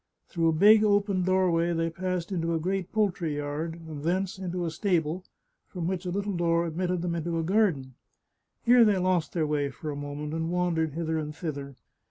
Through a big, open doorway they passed into a great poultry yard, and thence into a stable, from which a little door admitted them into a garden. Here they lost their way for a moment, and wandered hither and thither.